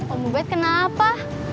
om ubed kenapa